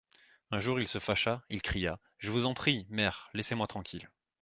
Un jour il se fâcha, il cria : Je vous en prie, mère, laissez-moi tranquille.